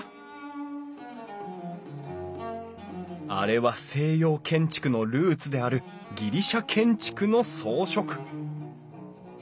あれは西洋建築のルーツであるギリシャ建築の装飾！